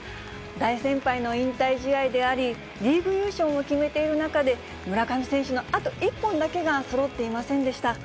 大先輩の引退試合であり、リーグ優勝を決めている中で、村上選手のあと一本だけがそろっていませんでした。